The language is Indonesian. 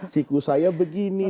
siku saya begini